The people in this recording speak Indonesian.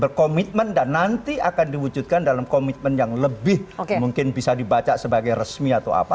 berkomitmen dan nanti akan diwujudkan dalam komitmen yang lebih mungkin bisa dibaca sebagai resmi atau apa